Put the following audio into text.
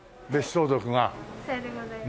左様でございます。